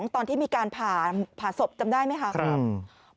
ตอนที่มีการผ่าศพจำได้ไหมครับ